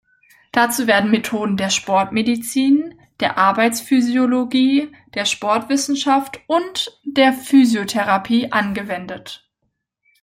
Dazu werden Methoden der Sportmedizin, der Arbeitsphysiologie, der Sportwissenschaft und der Physiotherapie angewendet.